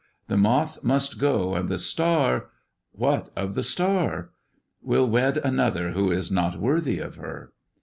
The moth must go, and the star "" What of the star 1 "" Will wed another who is not worthy of her."